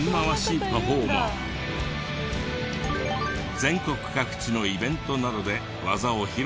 全国各地のイベントなどで技を披露している。